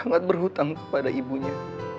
sangat berhutang kepada ibunya